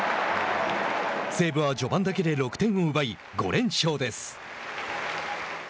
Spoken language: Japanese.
西武は序盤だけで６点奪い５連勝です。